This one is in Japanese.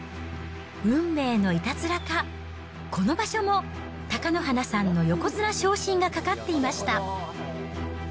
運命のいたずらか、この場所も貴乃花さんの横綱昇進がかかっていました。